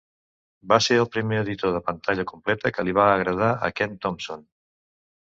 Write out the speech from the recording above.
Va ser el primer editor de pantalla completa que li va agradar a Ken Thompson.